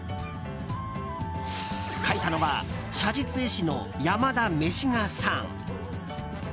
描いたのは写実絵師の山田めしがさん。